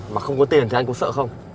mà không có tiền thì anh có sợ không